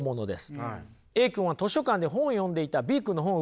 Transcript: Ａ君は図書館で本を読んでいたＢ君の本を奪います。